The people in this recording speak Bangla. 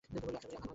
আশা করি ভালো হবে।